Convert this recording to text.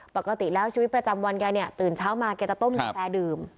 ปกติแล้วชีวิตประจำวันแกเนี่ยตื่นเช้ามาแกจะต้มกาแฟดื่ม